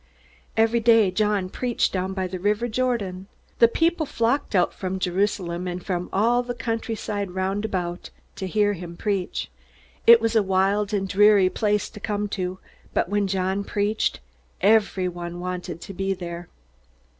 Every day John preached down by the river Jordan. The people flocked out from Jerusalem and from all the countryside round about to hear him preach. It was a wild and dreary place to come to, but when John preached everybody wanted to be there.